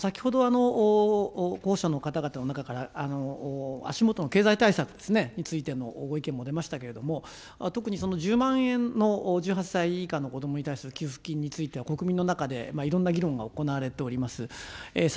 先ほど候補者の方々の中から、足下の経済対策についてのご意見もありましたけれども、特に１０万円の１８歳以下の子どもに対する給付金については、国民の中でいろんな議論が行われております。